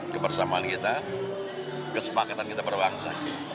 kebersamaan kita kesepakatan kita berbangsa